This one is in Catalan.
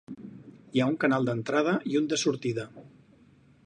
Hi ha un canal d'entrada i un de sortida.